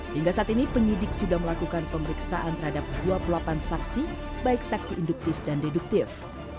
hingga saat ini penyidik sudah melakukan pemeriksaan terhadap dua puluh delapan saksi baik saksi induktif dan deduktif